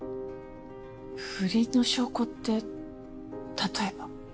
不倫の証拠って例えば？